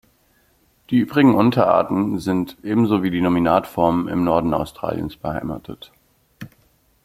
Die übrigen Unterarten sind ebenso wie die Nominatform im Norden Australiens beheimatet.